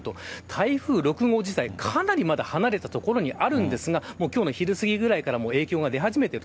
台風６号自体、まだかなり離れた所にあるんですが今日の昼すぎぐらいから影響が出始めている。